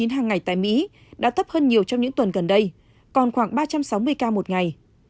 hàng ngày tại mỹ đã thấp hơn nhiều trong những tuần gần đây còn khoảng ba trăm sáu mươi ca một ngày